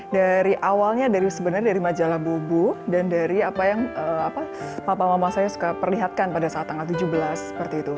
dari awalnya dari sebenarnya dari majalah bubu dan dari apa yang papa mama saya suka perlihatkan pada saat tanggal tujuh belas seperti itu